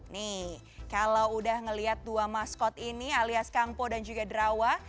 nih kalau udah ngelihat dua maskot ini alias kangpo dan juga derawa